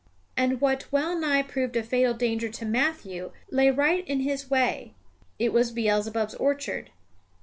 And what well nigh proved a fatal danger to Matthew lay right in his way. It was Beelzebub's orchard.